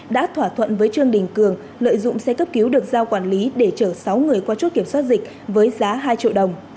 đã thỏa thuận với trương đình cường lợi dụng xe cấp cứu được giao quản lý để chở sáu người qua chốt kiểm soát dịch với giá hai triệu đồng